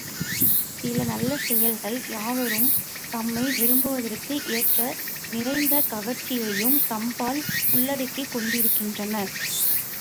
சில நல்ல செயல்கள் யாவரும் தம்மை விரும்புவதற்கு ஏற்ற நிறைந்த கவர்ச்சியையும் தம்பால் உள்ளடக்கிக் கொண்டிருக்கின்றன.